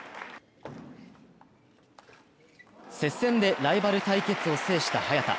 接戦でライバル対決を制した早田。